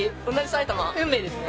運命ですね。